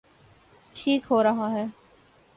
ٹھیک ہو رہا ہے۔